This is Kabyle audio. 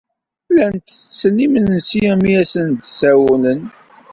Llan tetten imensi mi asen-d-sawlen.